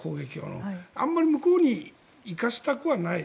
あまり向こうに行かせたくはない。